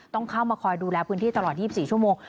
ต้องเข้ามาคอยดูแลพื้นที่ตลอด๒๔ชั่วโมง